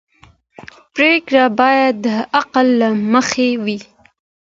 پرېکړې باید د عقل له مخې وي